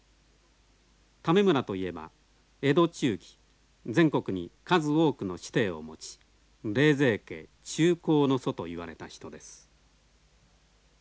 為村といえば江戸中期全国に数多くの子弟を持ち冷泉家中興の祖と言われた人です。